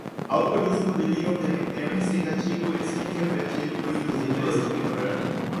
alcoolismo, delirium tremens, sedativo, esquizoafetivo, induzido, esquizofreniforme